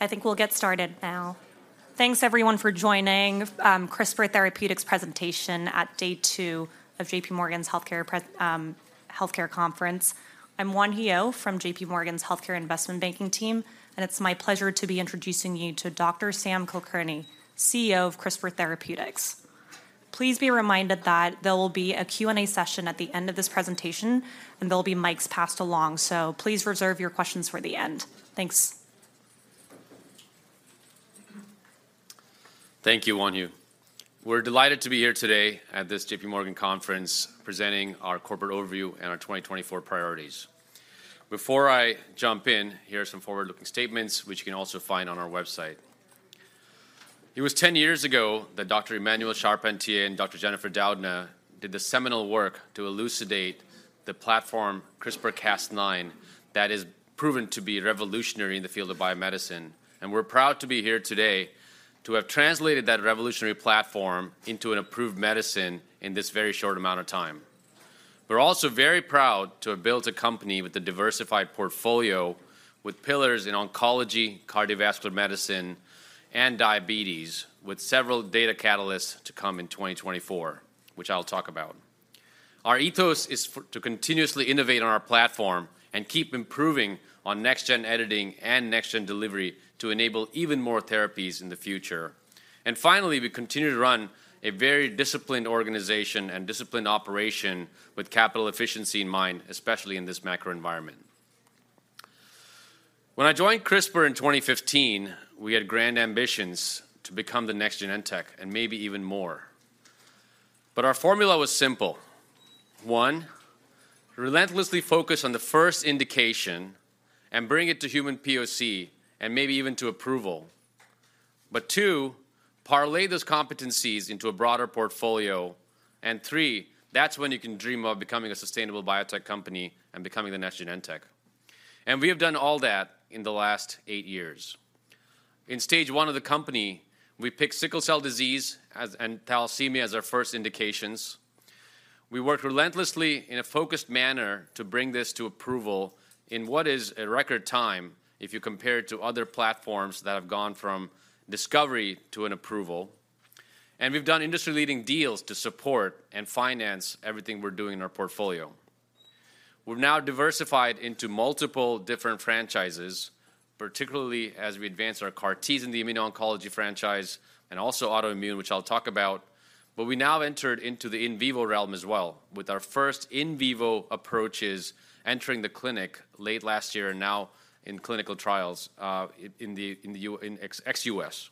I think we'll get started now. Thanks everyone for joining, CRISPR Therapeutics presentation at day two of JPMorgan's Healthcare Conference. I'm Wonhee Oh from JPMorgan's Healthcare Investment Banking team, and it's my pleasure to be introducing you to Dr. Sam Kulkarni, CEO of CRISPR Therapeutics. Please be reminded that there will be a Q&A session at the end of this presentation, and there'll be mics passed along, so please reserve your questions for the end. Thanks. Thank you, Wonhee. We're delighted to be here today at this JPMorgan conference, presenting our corporate overview and our 2024 priorities. Before I jump in, here are some forward-looking statements, which you can also find on our website. It was 10 years ago that Dr. Emmanuelle Charpentier and Dr. Jennifer Doudna did the seminal work to elucidate the platform CRISPR-Cas9, that has proven to be revolutionary in the field of biomedicine, and we're proud to be here today, to have translated that revolutionary platform into an approved medicine in this very short amount of time. We're also very proud to have built a company with a diversified portfolio, with pillars in oncology, cardiovascular medicine, and diabetes, with several data catalysts to come in 2024, which I'll talk about. Our ethos is to continuously innovate on our platform and keep improving on next-gen editing and next-gen delivery to enable even more therapies in the future. And finally, we continue to run a very disciplined organization and disciplined operation with capital efficiency in mind, especially in this macro environment. When I joined CRISPR in 2015, we had grand ambitions to become the next Genentech and maybe even more. But our formula was simple: One, relentlessly focus on the first indication and bring it to human POC and maybe even to approval. But two, parlay those competencies into a broader portfolio, and three, that's when you can dream of becoming a sustainable biotech company and becoming the next Genentech, and we have done all that in the last eight years. In stage one of the company, we picked sickle cell disease and thalassemia as our first indications. We worked relentlessly in a focused manner to bring this to approval in what is a record time if you compare it to other platforms that have gone from discovery to an approval, and we've done industry-leading deals to support and finance everything we're doing in our portfolio. We've now diversified into multiple different franchises, particularly as we advance our CAR-Ts in the immuno-oncology franchise and also autoimmune, which I'll talk about, but we now entered into the in vivo realm as well, with our first in vivo approaches entering the clinic late last year and now in clinical trials in ex-US.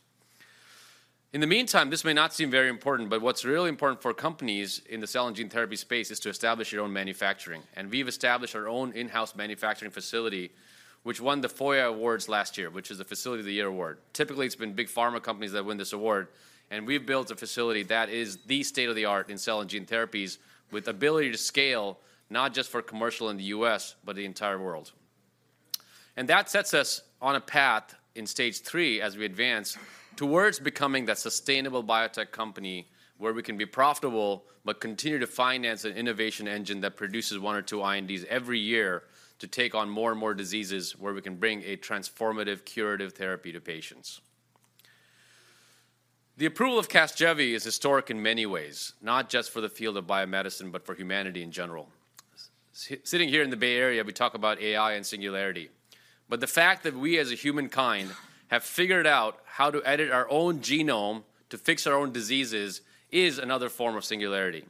In the meantime, this may not seem very important, but what's really important for companies in the cell and gene therapy space is to establish your own manufacturing, and we've established our own in-house manufacturing facility, which won the FOYA Award last year, which is the Facility of the Year Award. Typically, it's been big pharma companies that win this award, and we've built a facility that is the state-of-the-art in cell and gene therapies, with ability to scale not just for commercial in the U.S., but the entire world. That sets us on a path in stage three, as we advance, towards becoming that sustainable biotech company where we can be profitable but continue to finance an innovation engine that produces one or two INDs every year to take on more and more diseases, where we can bring a transformative, curative therapy to patients. The approval of Casgevy is historic in many ways, not just for the field of biomedicine, but for humanity in general. Sitting here in the Bay Area, we talk about AI and singularity, but the fact that we, as a humankind, have figured out how to edit our own genome to fix our own diseases is another form of singularity,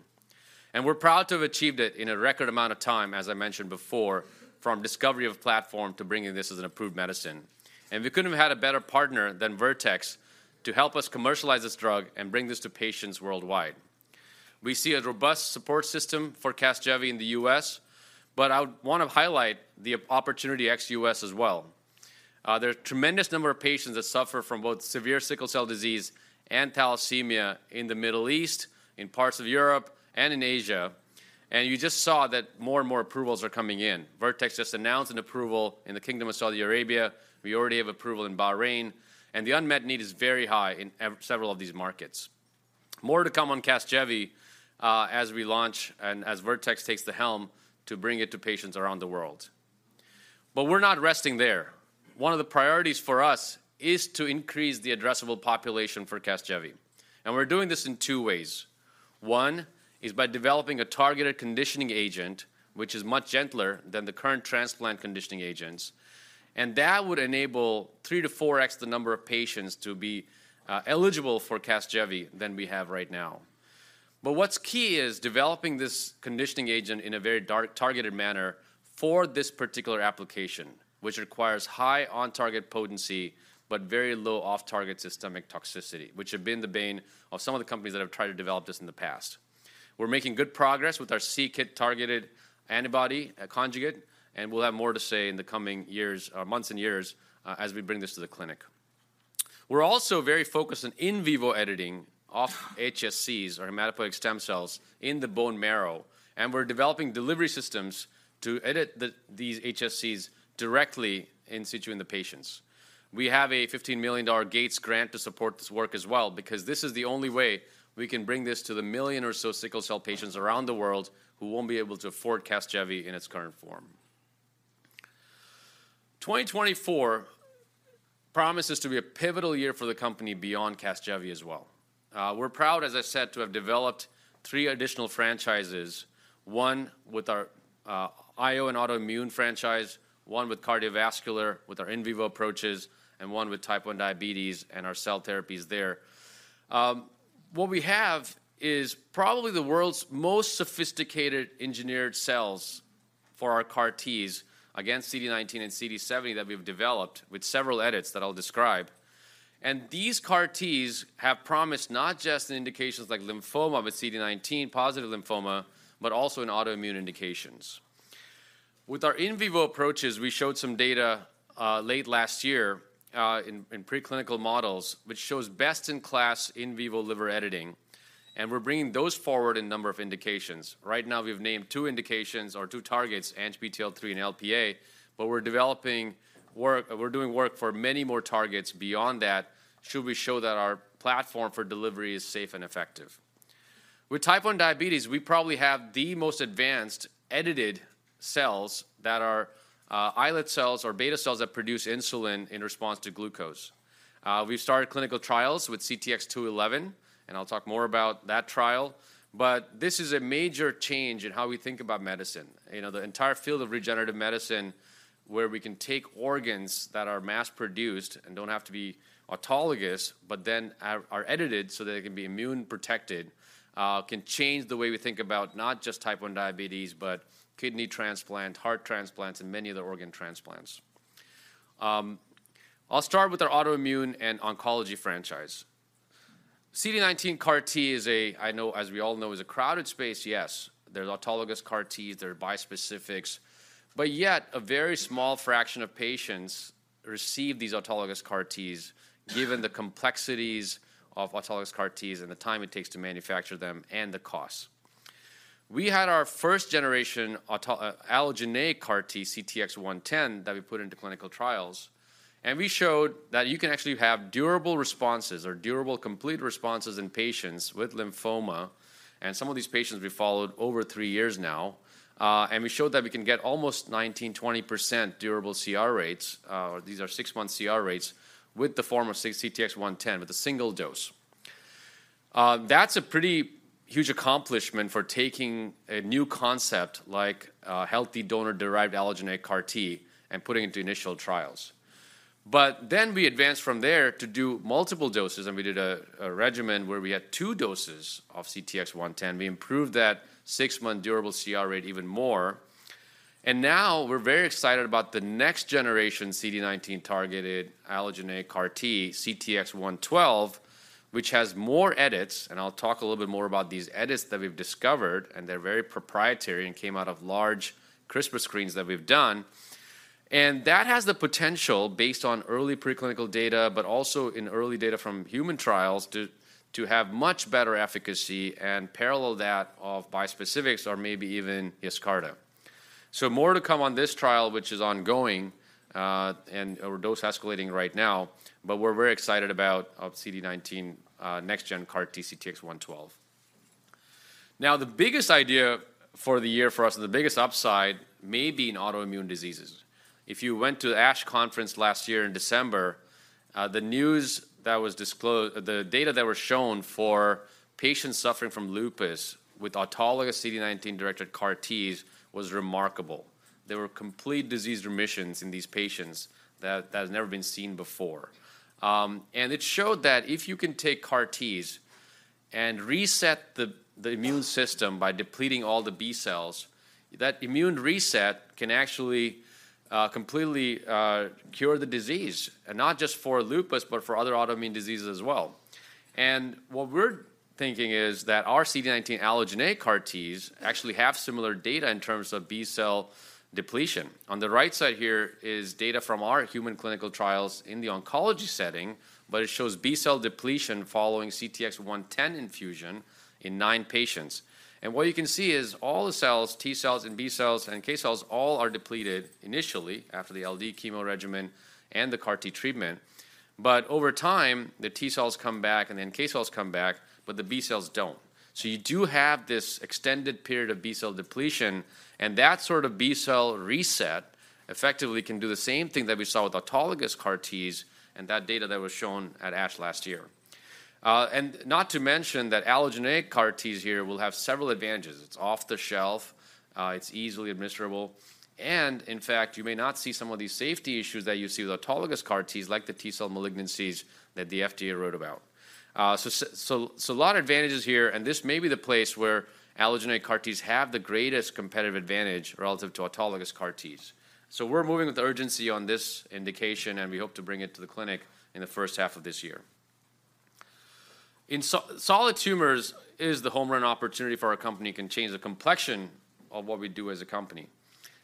and we're proud to have achieved it in a record amount of time, as I mentioned before, from discovery of platform to bringing this as an approved medicine. And we couldn't have had a better partner than Vertex to help us commercialize this drug and bring this to patients worldwide. We see a robust support system for Casgevy in the U.S., but I would want to highlight the opportunity ex-U.S. as well. There are a tremendous number of patients that suffer from both severe sickle cell disease and thalassemia in the Middle East, in parts of Europe, and in Asia, and you just saw that more and more approvals are coming in. Vertex just announced an approval in the Kingdom of Saudi Arabia. We already have approval in Bahrain, and the unmet need is very high in several of these markets. More to come on Casgevy, as we launch and as Vertex takes the helm to bring it to patients around the world. But we're not resting there. One of the priorities for us is to increase the addressable population for Casgevy, and we're doing this in two ways. One is by developing a targeted conditioning agent, which is much gentler than the current transplant conditioning agents, and that would enable 3-4x the number of patients to be eligible for Casgevy than we have right now. But what's key is developing this conditioning agent in a very targeted manner for this particular application, which requires high on-target potency, but very low off-target systemic toxicity, which have been the bane of some of the companies that have tried to develop this in the past. We're making good progress with our c-Kit-targeted antibody conjugate, and we'll have more to say in the coming years, months and years, as we bring this to the clinic. We're also very focused on in vivo editing of HSCs, or hematopoietic stem cells, in the bone marrow, and we're developing delivery systems to edit these HSCs directly in situ in the patients. We have a $15 million Gates grant to support this work as well because this is the only way we can bring this to the 1 million or so sickle cell patients around the world who won't be able to afford Casgevy in its current form.... 2024 promises to be a pivotal year for the company beyond Casgevy as well. We're proud, as I said, to have developed three additional franchises, one with our IO and autoimmune franchise, one with cardiovascular, with our in vivo approaches, and one with type one diabetes and our cell therapies there. What we have is probably the world's most sophisticated engineered cells for our CAR-Ts against CD19 and CD70 that we've developed with several edits that I'll describe. And these CAR-Ts have promised not just in indications like lymphoma, but CD19 positive lymphoma, but also in autoimmune indications. With our in vivo approaches, we showed some data late last year in preclinical models, which shows best-in-class in vivo liver editing, and we're bringing those forward in a number of indications. Right now, we've named two indications or two targets, ANGPTL3 and LPA, but we're doing work for many more targets beyond that, should we show that our platform for delivery is safe and effective. With type one diabetes, we probably have the most advanced edited cells that are islet cells or beta cells that produce insulin in response to glucose. We've started clinical trials with CTX211, and I'll talk more about that trial, but this is a major change in how we think about medicine. You know, the entire field of regenerative medicine, where we can take organs that are mass-produced and don't have to be autologous, but then are edited so that they can be immune-protected, can change the way we think about not just type 1 diabetes, but kidney transplant, heart transplants, and many other organ transplants. I'll start with our autoimmune and oncology franchise. CD19 CAR-T, I know, as we all know, is a crowded space, yes. There's autologous CAR-Ts, there are bispecifics, but yet a very small fraction of patients receive these autologous CAR-Ts, given the complexities of autologous CAR-Ts and the time it takes to manufacture them and the cost. We had our first-generation allogeneic CAR-T, CTX110, that we put into clinical trials, and we showed that you can actually have durable responses or durable complete responses in patients with lymphoma, and some of these patients we followed over three years now. And we showed that we can get almost 19%-20% durable CR rates. These are six-month CR rates with the form of CTX110 with a single dose. That's a pretty huge accomplishment for taking a new concept like a healthy donor-derived allogeneic CAR-T and putting it into initial trials. But then we advanced from there to do multiple doses, and we did a regimen where we had two doses of CTX110. We improved that six-month durable CR rate even more. And now we're very excited about the next generation CD19-targeted allogeneic CAR-T, CTX112, which has more edits, and I'll talk a little bit more about these edits that we've discovered, and they're very proprietary and came out of large CRISPR screens that we've done. And that has the potential, based on early preclinical data, but also in early data from human trials, to have much better efficacy and parallel that of bispecifics or maybe even YESCARTA. So more to come on this trial, which is ongoing, and/or dose-escalating right now, but we're very excited about our CD19 next gen CAR-T, CTX112. Now, the biggest idea for the year for us, and the biggest upside may be in autoimmune diseases. If you went to the ASH conference last year in December, the news that was disclosed, the data that were shown for patients suffering from lupus with autologous CD19-directed CAR-Ts was remarkable. There were complete disease remissions in these patients that has never been seen before. It showed that if you can take CAR-Ts and reset the immune system by depleting all the B-cells, that immune reset can actually completely cure the disease, and not just for lupus, but for other autoimmune diseases as well. What we're thinking is that our CD19 allogeneic CAR-Ts actually have similar data in terms of B-cell depletion. On the right side here is data from our human clinical trials in the oncology setting, but it shows B-cell depletion following CTX110 infusion in nine patients. What you can see is all the cells, T-cells and B-cells and NK cells, all are depleted initially after the LD chemo regimen and the CAR-T treatment. But over time, the T-cells come back, and then NK cells come back, but the B-cells don't. So you do have this extended period of B-cell depletion, and that sort of B-cell reset effectively can do the same thing that we saw with autologous CAR-Ts and that data that was shown at ASH last year. And not to mention that allogeneic CAR-Ts here will have several advantages. It's off the shelf, it's easily administrable, and in fact, you may not see some of these safety issues that you see with autologous CAR-Ts, like the T-cell malignancies that the FDA wrote about. So a lot of advantages here, and this may be the place where allogeneic CAR-Ts have the greatest competitive advantage relative to autologous CAR-Ts. So we're moving with urgency on this indication, and we hope to bring it to the clinic in the first half of this year. In solid tumors is the home run opportunity for our company, can change the complexion of what we do as a company.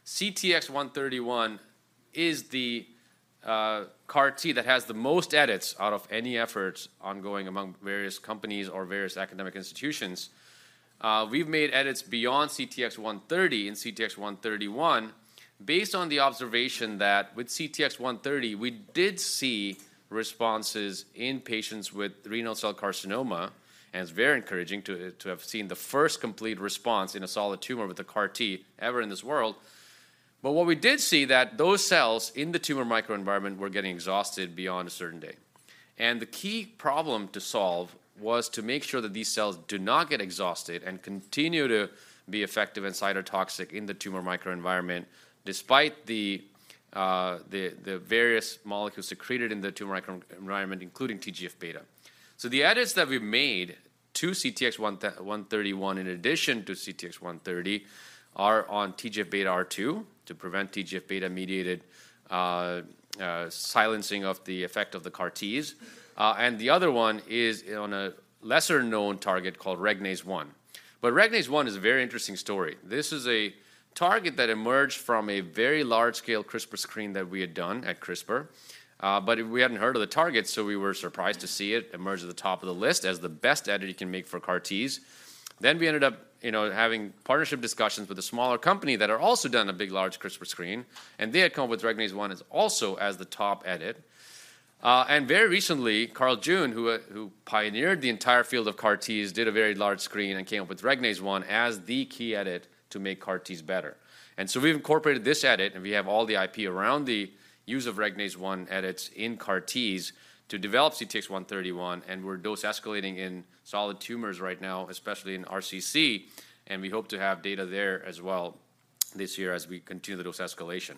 CTX131 is the CAR-T that has the most edits out of any efforts ongoing among various companies or various academic institutions. We've made edits beyond CTX130 and CTX131 based on the observation that with CTX130, we did see responses in patients with renal cell carcinoma, and it's very encouraging to have seen the first complete response in a solid tumor with a CAR-T ever in this world. But what we did see that those cells in the tumor microenvironment were getting exhausted beyond a certain day. And the key problem to solve was to make sure that these cells do not get exhausted and continue to be effective and cytotoxic in the tumor microenvironment, despite the, the, the various molecules secreted in the tumor microenvironment, including TGF-β. So the edits that we've made to CTX131, in addition to CTX130, are on TGF-beta R2, to prevent TGF-beta-mediated silencing of the effect of the CAR-Ts. And the other one is on a lesser-known target called REGNASE-1. But REGNASE-1 is a very interesting story. This is a target that emerged from a very large-scale CRISPR screen that we had done at CRISPR, but we hadn't heard of the target, so we were surprised to see it emerge at the top of the list as the best edit you can make for CAR-Ts. Then we ended up, you know, having partnership discussions with a smaller company that had also done a big, large CRISPR screen, and they had come up with REGNASE-1 as also as the top edit. And very recently, Carl June, who who pioneered the entire field of CAR-Ts, did a very large screen and came up with REGNASE-1 as the key edit to make CAR-Ts better. And so we've incorporated this edit, and we have all the IP around the use of REGNASE-1 edits in CAR-Ts to develop CTX131, and we're dose-escalating in solid tumors right now, especially in RCC, and we hope to have data there as well this year as we continue the dose escalation.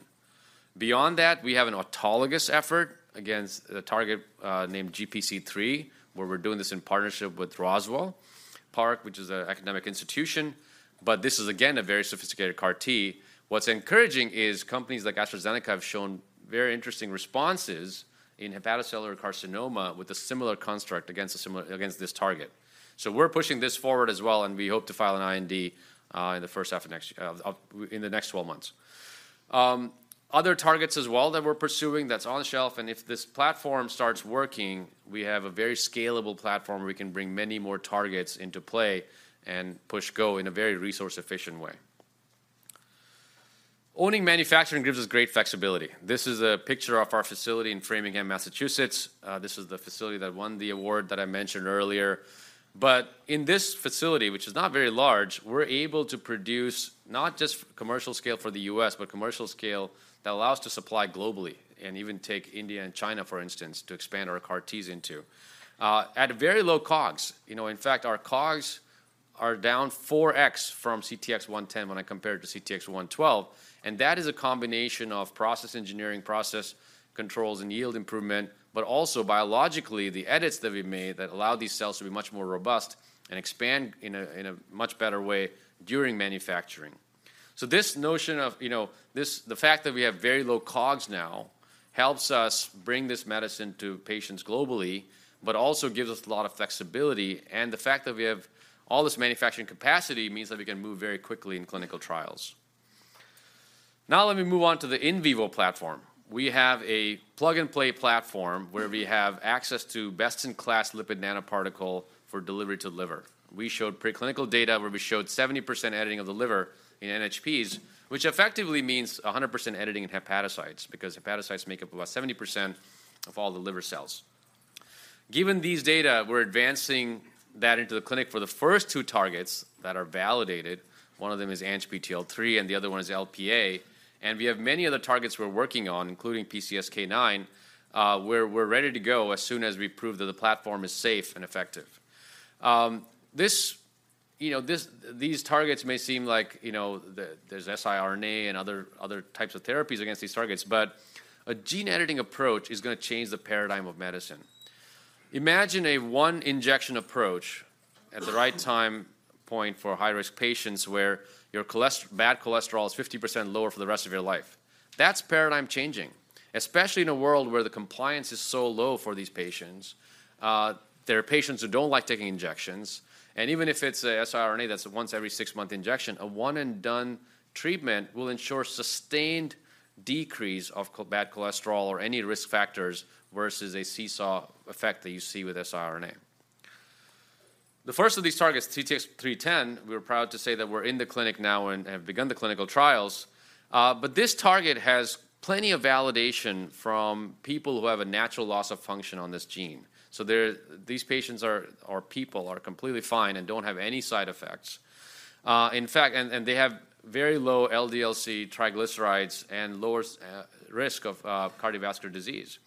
Beyond that, we have an autologous effort against the target named GPC3, where we're doing this in partnership with Roswell Park, which is an academic institution. But this is, again, a very sophisticated CAR-T. What's encouraging is companies like AstraZeneca have shown very interesting responses in hepatocellular carcinoma with a similar construct against this target. So we're pushing this forward as well, and we hope to file an IND in the first half of next year in the next 12 months. Other targets as well that we're pursuing that's on the shelf, and if this platform starts working, we have a very scalable platform where we can bring many more targets into play and push go in a very resource-efficient way. Owning manufacturing gives us great flexibility. This is a picture of our facility in Framingham, Massachusetts. This is the facility that won the award that I mentioned earlier. But in this facility, which is not very large, we're able to produce not just commercial scale for the U.S., but commercial scale that allows to supply globally, and even take India and China, for instance, to expand our CAR-Ts into, at a very low COGS. You know, in fact, our COGS are down 4x from CTX110 when I compare it to CTX112, and that is a combination of process engineering, process controls, and yield improvement, but also biologically, the edits that we've made that allow these cells to be much more robust and expand in a much better way during manufacturing. So this notion of, you know, this, the fact that we have very low COGS now helps us bring this medicine to patients globally, but also gives us a lot of flexibility, and the fact that we have all this manufacturing capacity means that we can move very quickly in clinical trials. Now, let me move on to the in vivo platform. We have a plug-and-play platform where we have access to best-in-class lipid nanoparticle for delivery to the liver. We showed preclinical data where we showed 70% editing of the liver in NHPs, which effectively means 100% editing in hepatocytes, because hepatocytes make up about 70% of all the liver cells. Given these data, we're advancing that into the clinic for the first two targets that are validated. One of them is ANGPTL3, and the other one is LPA. And we have many other targets we're working on, including PCSK9, where we're ready to go as soon as we prove that the platform is safe and effective. This, you know, these targets may seem like, you know, the, there's siRNA and other types of therapies against these targets, but a gene-editing approach is gonna change the paradigm of medicine. Imagine a one-injection approach at the right time point for high-risk patients, where your cholesterol, bad cholesterol is 50% lower for the rest of your life. That's paradigm changing, especially in a world where the compliance is so low for these patients. There are patients who don't like taking injections, and even if it's a siRNA, that's a once every six-month injection, a one-and-done treatment will ensure sustained decrease of bad cholesterol or any risk factors versus a seesaw effect that you see with siRNA. The first of these targets, CTX310, we're proud to say that we're in the clinic now and have begun the clinical trials, but this target has plenty of validation from people who have a natural loss of function on this gene. So there, these patients or people are completely fine and don't have any side effects. In fact, they have very low LDL-C triglycerides and lower risk of cardiovascular disease.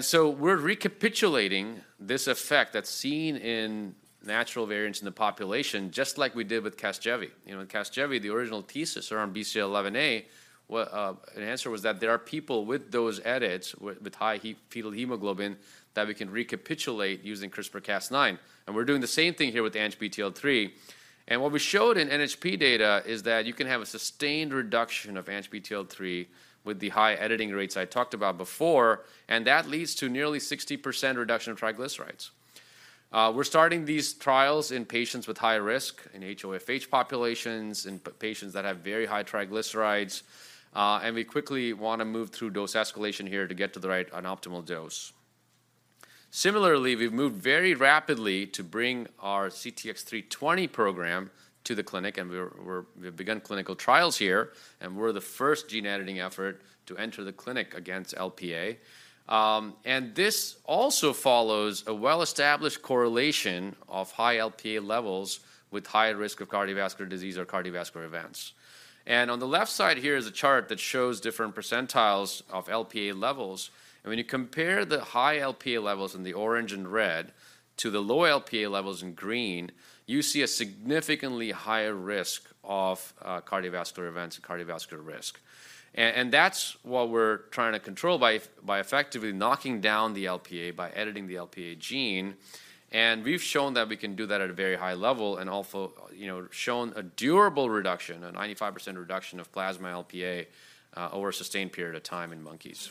So we're recapitulating this effect that's seen in natural variants in the population, just like we did with Casgevy. You know, in Casgevy, the original thesis around BCL11A, an answer was that there are people with those edits, with high fetal hemoglobin, that we can recapitulate using CRISPR-Cas9. And we're doing the same thing here with the ANGPTL3. And what we showed in NHP data is that you can have a sustained reduction of ANGPTL3 with the high editing rates I talked about before, and that leads to nearly 60% reduction in triglycerides. We're starting these trials in patients with high risk, in HoFH populations, in patients that have very high triglycerides, and we quickly wanna move through dose escalation here to get to the right and optimal dose. Similarly, we've moved very rapidly to bring our CTX320 program to the clinic, and we've begun clinical trials here, and we're the first gene editing effort to enter the clinic against LPA. And this also follows a well-established correlation of high LPA levels with higher risk of cardiovascular disease or cardiovascular events. And on the left side here is a chart that shows different percentiles of LPA levels, and when you compare the high LPA levels in the orange and red to the low LPA levels in green, you see a significantly higher risk of cardiovascular events and cardiovascular risk. And that's what we're trying to control by effectively knocking down the LPA, by editing the LPA gene. And we've shown that we can do that at a very high level and also, you know, shown a durable reduction, a 95% reduction of plasma LPA, over a sustained period of time in monkeys.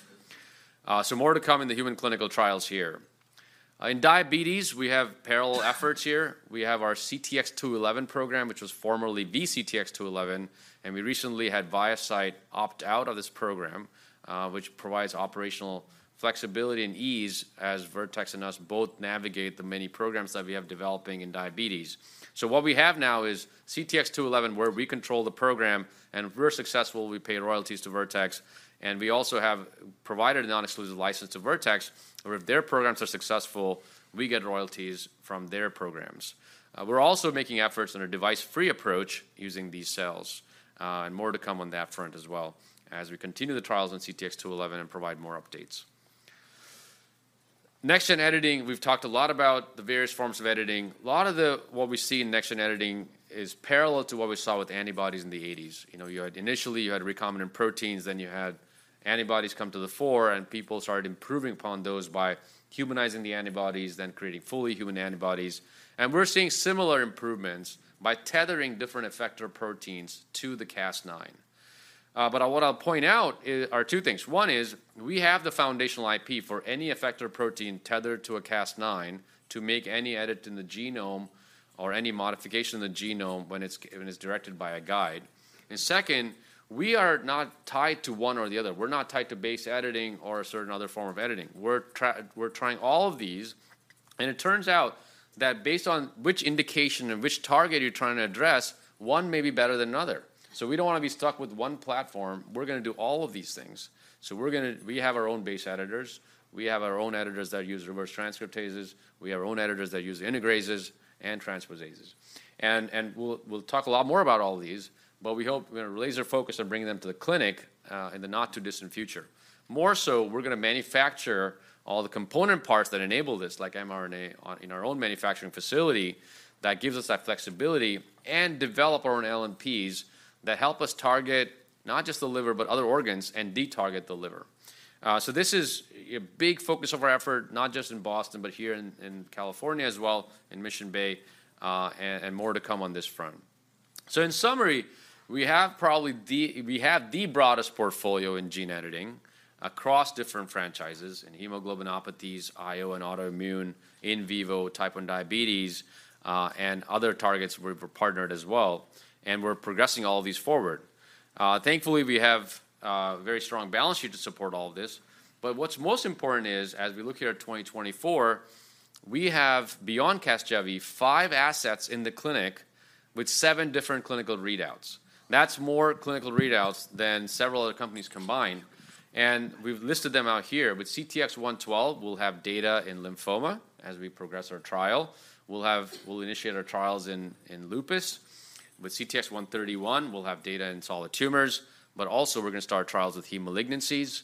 So more to come in the human clinical trials here. In diabetes, we have parallel efforts here. We have our CTX211 program, which was formerly VCTX211, and we recently had ViaCyte opt out of this program, which provides operational flexibility and ease as Vertex and us both navigate the many programs that we have developing in diabetes. So what we have now is CTX211, where we control the program, and if we're successful, we pay royalties to Vertex, and we also have provided a non-exclusive license to Vertex, where if their programs are successful, we get royalties from their programs. We're also making efforts on a device-free approach using these cells, and more to come on that front as well as we continue the trials on CTX211 and provide more updates. Next-gen editing, we've talked a lot about the various forms of editing. A lot of what we see in next-gen editing is parallel to what we saw with antibodies in the 1980s. You know, initially you had recombinant proteins, then you had antibodies come to the fore, and people started improving upon those by humanizing the antibodies, then creating fully human antibodies. We're seeing similar improvements by tethering different effector proteins to the Cas9. But what I'll point out is, are two things. One is, we have the foundational IP for any effector protein tethered to a Cas9 to make any edit in the genome or any modification in the genome when it's directed by a guide. And second, we are not tied to one or the other. We're not tied to base editing or a certain other form of editing. We're trying all of these, and it turns out that based on which indication and which target you're trying to address, one may be better than another. So we don't want to be stuck with one platform. We're going to do all of these things. So we're gonna we have our own base editors, we have our own editors that use reverse transcriptases, we have our own editors that use integrases and transposases. And we'll talk a lot more about all of these, but we hope we're laser-focused on bringing them to the clinic in the not-too-distant future. More so, we're going to manufacture all the component parts that enable this, like mRNA in our own manufacturing facility, that gives us that flexibility, and develop our own LNPs that help us target not just the liver, but other organs, and de-target the liver. So this is a big focus of our effort, not just in Boston, but here in California as well, in Mission Bay, and more to come on this front. So in summary, we have probably the broadest portfolio in gene editing across different franchises, in hemoglobinopathies, IO and autoimmune, in vivo, type 1 diabetes, and other targets we're partnered as well, and we're progressing all of these forward. Thankfully, we have very strong balance sheet to support all of this. But what's most important is, as we look here at 2024, we have, beyond Casgevy, five assets in the clinic with seven different clinical readouts. That's more clinical readouts than several other companies combined, and we've listed them out here. With CTX112, we'll have data in lymphoma as we progress our trial. We'll initiate our trials in lupus. With CTX131, we'll have data in solid tumors, but also we're going to start trials with heme malignancies.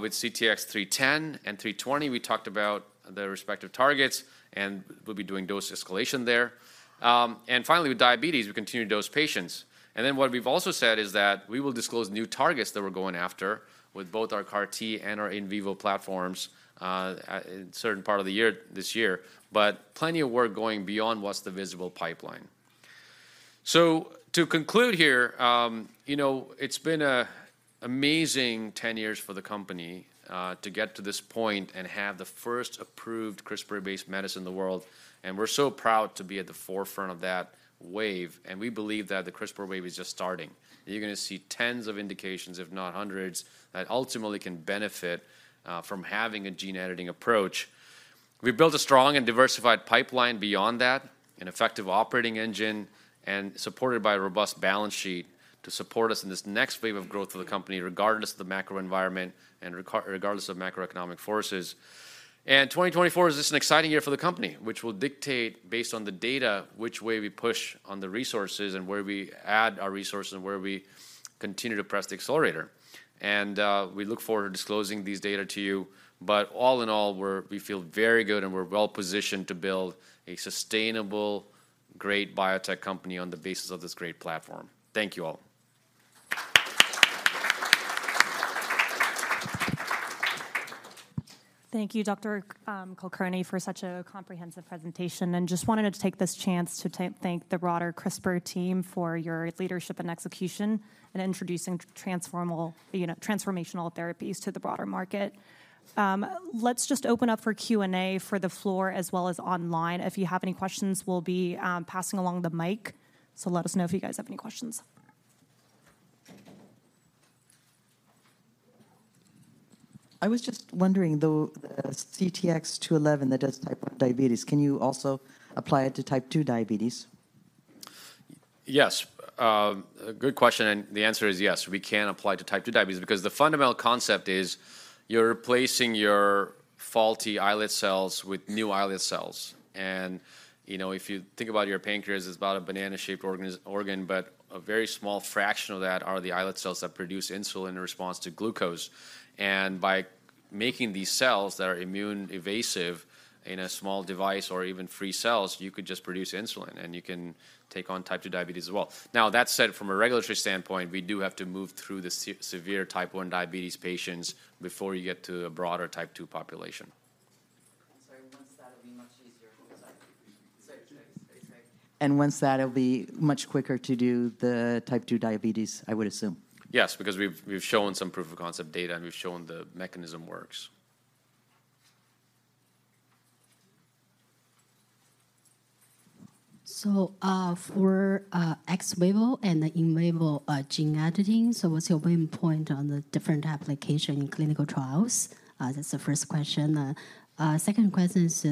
With CTX310 and CTX320, we talked about their respective targets, and we'll be doing dose escalation there. Finally, with diabetes, we continue to dose patients. Then what we've also said is that we will disclose new targets that we're going after with both our CAR-T and our in vivo platforms in certain part of the year, this year. Plenty of work going beyond what's the visible pipeline. To conclude here, you know, it's been a amazing 10 years for the company to get to this point and have the first approved CRISPR-based medicine in the world, and we're so proud to be at the forefront of that wave, and we believe that the CRISPR wave is just starting. You're going to see tens of indications, if not hundreds, that ultimately can benefit from having a gene editing approach. We've built a strong and diversified pipeline beyond that, an effective operating engine, and supported by a robust balance sheet to support us in this next wave of growth for the company, regardless of the macro environment and regardless of macroeconomic forces. 2024 is just an exciting year for the company, which will dictate, based on the data, which way we push on the resources and where we add our resources and where we continue to press the accelerator. We look forward to disclosing these data to you, but all in all, we're, we feel very good, and we're well-positioned to build a sustainable, great biotech company on the basis of this great platform. Thank you all. Thank you, Dr. Kulkarni, for such a comprehensive presentation, and just wanted to take this chance to thank the broader CRISPR team for your leadership and execution in introducing transformal, you know, transformational therapies to the broader market. Let's just open up for Q&A for the floor as well as online. If you have any questions, we'll be passing along the mic, so let us know if you guys have any questions. ... I was just wondering, the CTX211 that does type one diabetes, can you also apply it to type two diabetes? Yes. A good question, and the answer is yes. We can apply to type two diabetes, because the fundamental concept is you're replacing your faulty islet cells with new islet cells. And, you know, if you think about your pancreas, it's about a banana-shaped organ, but a very small fraction of that are the islet cells that produce insulin in response to glucose. And by making these cells that are immune-evasive in a small device or even free cells, you could just produce insulin, and you can take on type two diabetes as well. Now, that said, from a regulatory standpoint, we do have to move through the severe type one diabetes patients before you get to a broader type two population. I'm sorry, once that will be much easier. Sorry. And once that, it'll be much quicker to do the type two diabetes, I would assume? Yes, because we've shown some proof of concept data, and we've shown the mechanism works. So, for Ex vivo and the in vivo gene editing, what's your main point on the different application in clinical trials? That's the first question. Second question is,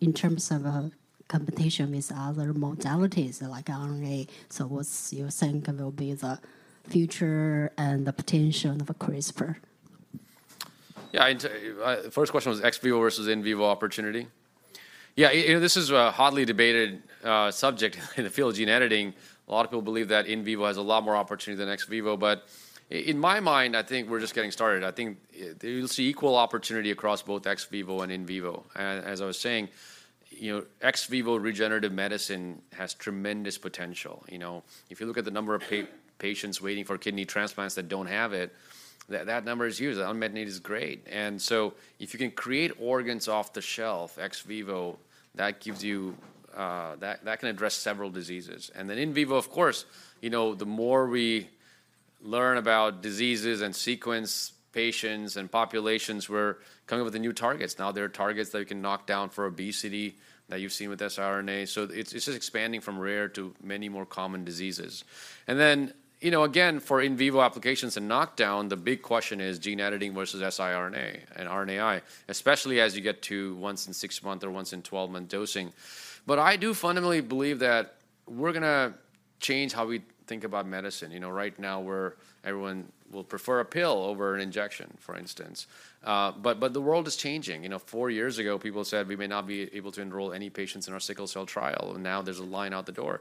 in terms of competition with other modalities like RNA, what's your think will be the future and the potential of a CRISPR? Yeah, I'd tell you, the first question was Ex vivo versus in vivo opportunity? Yeah, this is a hotly debated subject in the field of gene editing. A lot of people believe that in vivo has a lot more opportunity than Ex vivo. But in my mind, I think we're just getting started. I think, you'll see equal opportunity across both Ex vivo and in vivo. And as I was saying, you know, Ex vivo regenerative medicine has tremendous potential. You know, if you look at the number of patients waiting for kidney transplants that don't have it, that number is huge. The unmet need is great. And so if you can create organs off the shelf, Ex vivo, that gives you, that can address several diseases. Then in vivo, of course, you know, the more we learn about diseases and sequence patients and populations, we're coming up with the new targets. Now, there are targets that we can knock down for obesity, that you've seen with siRNA. So it's, it's just expanding from rare to many more common diseases. And then, you know, again, for in vivo applications and knockdown, the big question is gene editing versus siRNA and RNAi, especially as you get to once-in-six-month or once-in-12-month dosing. But I do fundamentally believe that we're gonna change how we think about medicine. You know, right now, everyone will prefer a pill over an injection, for instance. But the world is changing. You know, four years ago, people said we may not be able to enroll any patients in our sickle cell trial, and now there's a line out the door.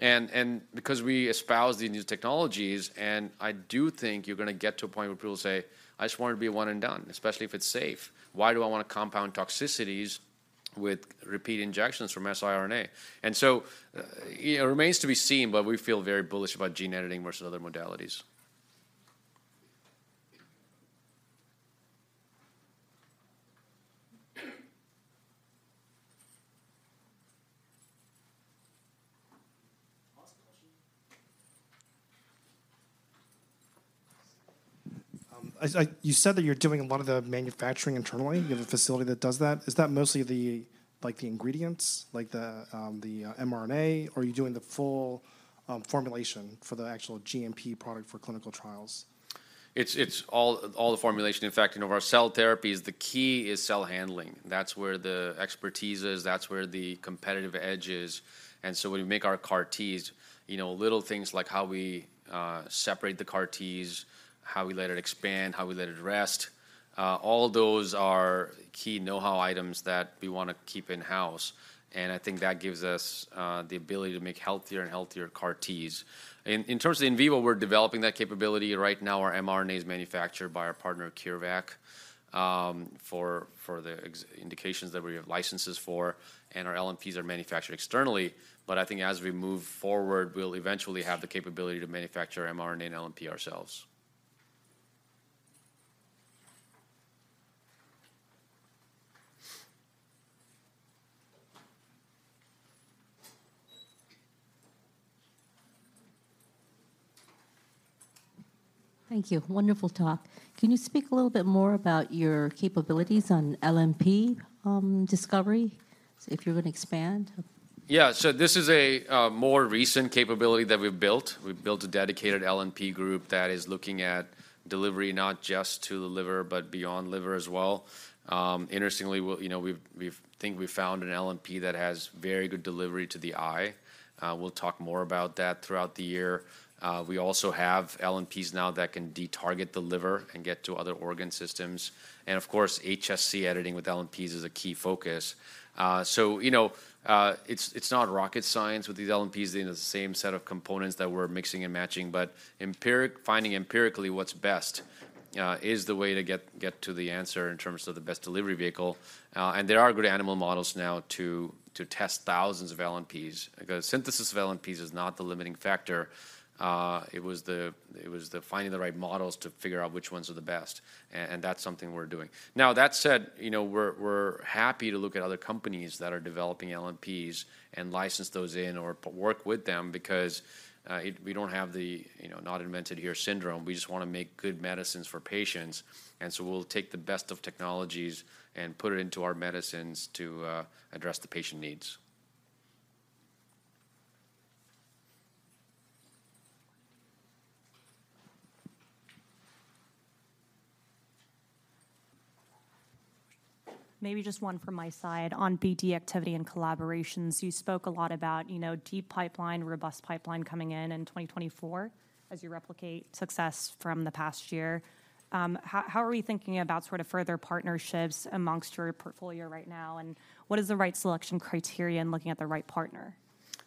And because we espouse these new technologies, and I do think you're gonna get to a point where people say, "I just want it to be one and done, especially if it's safe. Why do I want to compound toxicities with repeat injections from siRNA?" And so, it remains to be seen, but we feel very bullish about gene editing versus other modalities. Last question. You said that you're doing a lot of the manufacturing internally. You have a facility that does that. Is that mostly the, like, the ingredients, like the mRNA, or are you doing the full formulation for the actual GMP product for clinical trials? It's all the formulation. In fact, you know, for our cell therapies, the key is cell handling. That's where the expertise is, that's where the competitive edge is. And so when we make our CAR-Ts, you know, little things like how we separate the CAR-Ts, how we let it expand, how we let it rest, all those are key know-how items that we wanna keep in-house, and I think that gives us the ability to make healthier and healthier CAR-Ts. In terms of in vivo, we're developing that capability. Right now, our mRNA is manufactured by our partner, CureVac, for the in vivo indications that we have licenses for, and our LNPs are manufactured externally. But I think as we move forward, we'll eventually have the capability to manufacture mRNA and LNP ourselves. Thank you. Wonderful talk. Can you speak a little bit more about your capabilities on LNP, discovery, if you would expand? Yeah, so this is a more recent capability that we've built. We've built a dedicated LNP group that is looking at delivery not just to the liver, but beyond liver as well. Interestingly, you know, we think we've found an LNP that has very good delivery to the eye. We'll talk more about that throughout the year. We also have LNPs now that can detarget the liver and get to other organ systems. And of course, HSC editing with LNPs is a key focus. So you know, it's not rocket science with these LNPs. They're the same set of components that we're mixing and matching, but empirically finding what's best is the way to get to the answer in terms of the best delivery vehicle. And there are good animal models now to test thousands of LNPs, because synthesis of LNPs is not the limiting factor. It was the finding the right models to figure out which ones are the best, and that's something we're doing. Now, that said, you know, we're happy to look at other companies that are developing LNPs and license those in or work with them because we don't have the, you know, not invented here syndrome. We just wanna make good medicines for patients, and so we'll take the best of technologies and put it into our medicines to address the patient needs. ... Maybe just one from my side on BD activity and collaborations. You spoke a lot about, you know, deep pipeline, robust pipeline coming in in 2024, as you replicate success from the past year. How are we thinking about sort of further partnerships amongst your portfolio right now, and what is the right selection criteria in looking at the right partner?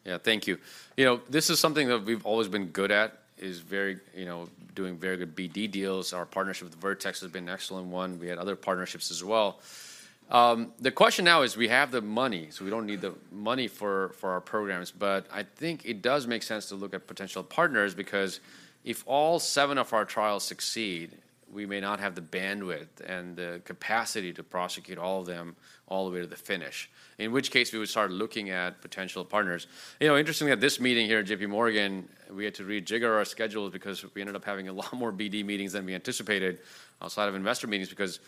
Yeah, thank you. You know, this is something that we've always been good at, is very, you know, doing very good BD deals. Our partnership with Vertex has been an excellent one. We had other partnerships as well. The question now is we have the money, so we don't need the money for, for our programs, but I think it does make sense to look at potential partners because if all seven of our trials succeed, we may not have the bandwidth and the capacity to prosecute all of them all the way to the finish, in which case, we would start looking at potential partners. You know, interestingly, at this meeting here at JPMorgan, we had to rejigger our schedules because we ended up having a lot more BD meetings than we anticipated outside of investor meetings, because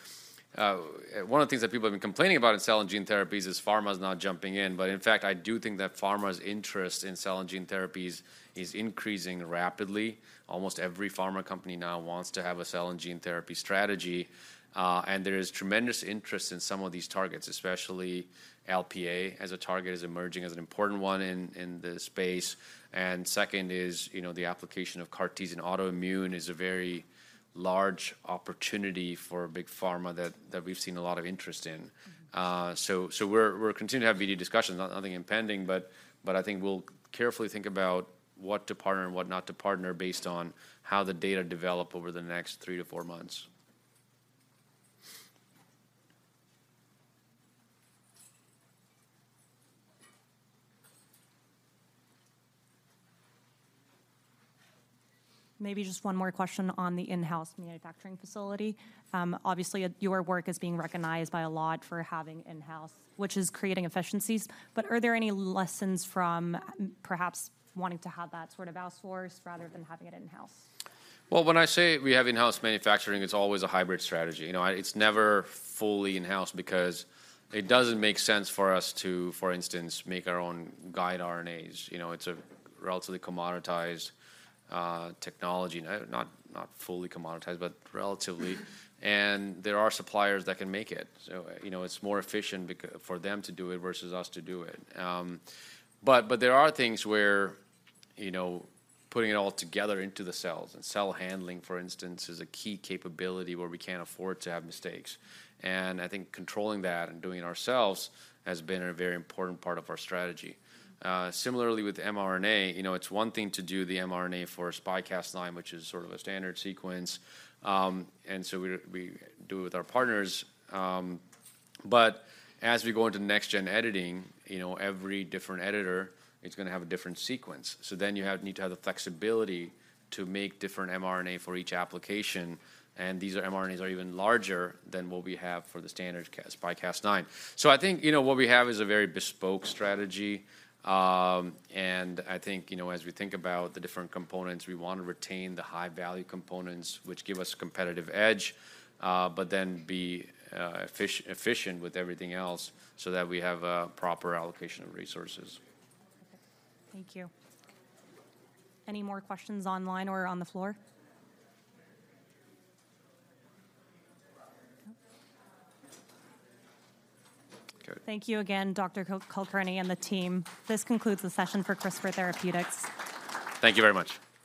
one of the things that people have been complaining about in cell and gene therapies is pharma's not jumping in. But in fact, I do think that pharma's interest in cell and gene therapies is increasing rapidly. Almost every pharma company now wants to have a cell and gene therapy strategy, and there is tremendous interest in some of these targets, especially LPA as a target, is emerging as an important one in the space. And second is, you know, the application of CAR-T in autoimmune is a very large opportunity for big pharma that we've seen a lot of interest in. Mm-hmm. So, we're continuing to have BD discussions, not nothing impending, but I think we'll carefully think about what to partner and what not to partner based on how the data develop over the next three to four months. Maybe just one more question on the in-house manufacturing facility. Obviously, your work is being recognized by a lot for having in-house, which is creating efficiencies, but are there any lessons from perhaps wanting to have that sort of outsourced rather than having it in-house? Well, when I say we have in-house manufacturing, it's always a hybrid strategy. You know, it's never fully in-house because it doesn't make sense for us to, for instance, make our own guide RNAs. You know, it's a relatively commoditized technology, not fully commoditized, but relatively. Mm-hmm. There are suppliers that can make it. So, you know, it's more efficient for them to do it versus us to do it. But there are things where, you know, putting it all together into the cells, and cell handling, for instance, is a key capability where we can't afford to have mistakes. And I think controlling that and doing it ourselves has been a very important part of our strategy. Similarly with mRNA, you know, it's one thing to do the mRNA for a SpyCas9, which is sort of a standard sequence, and so we do it with our partners. But as we go into next-gen editing, you know, every different editor, it's gonna have a different sequence. So then you have the flexibility to make different mRNA for each application, and these mRNAs are even larger than what we have for the standard Cas9, SpyCas9. So I think, you know, what we have is a very bespoke strategy, and I think, you know, as we think about the different components, we want to retain the high-value components, which give us competitive edge, but then be efficient with everything else so that we have a proper allocation of resources. Thank you. Any more questions online or on the floor? Okay. Thank you again, Dr. Kulkarni and the team. This concludes the session for CRISPR Therapeutics. Thank you very much.